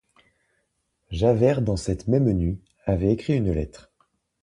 Javert dans cette même nuit avait écrit une lettre.